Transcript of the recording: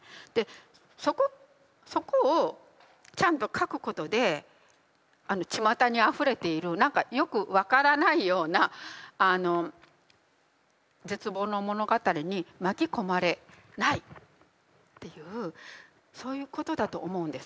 そこをちゃんと書くことであのちまたにあふれている何かよく分からないような絶望の物語に巻き込まれないっていうそういうことだと思うんです。